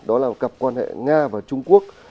đó là một cặp quan hệ nga và trung quốc